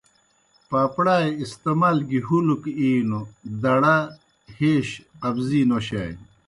پاپڑائے استعمال گیْ، ہُلک اِینوْ، دڑہ، ہیش، قبضی نوشانی۔